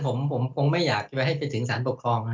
ผมคงไม่อยากจะไปให้ไปถึงสารปกครอง